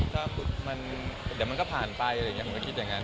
เดี๋ยวมันก็ผ่านไปตอนนี้ผมก็คิดอย่างนั้น